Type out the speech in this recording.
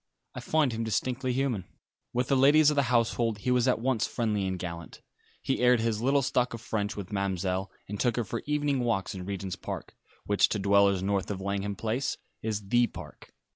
"I find him distinctly human." With the ladies of the household he was at once friendly and gallant. He aired his little stock of French with Ma'mselle, and took her for evening walks in Regent's Park, which to dwellers north of Langham Place is "the Park."